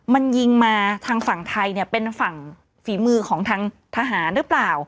มันยิงมาทางฝั่งไทยเนี่ยเป็นฝั่งฝีมือของทางทหารหรือเปล่า